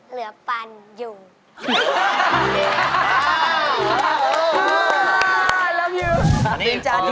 เหลือปันอยู่